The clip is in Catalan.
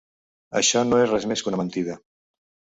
Això no és res més que una mentida.